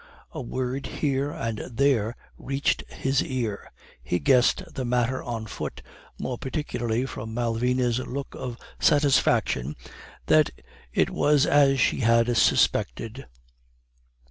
A word here and there reached his ear; he guessed the matter on foot, more particularly from Malvina's look of satisfaction that it was as she had suspected.